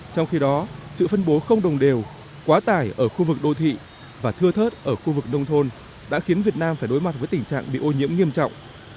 trong khi đó sự phân bố không đồng đều quá tải ở khu vực đô thị và thưa thớt ở khu vực nông thôn đã khiến việt nam phải đối mặt với tình trạng bị ô nhiễm nghiêm trọng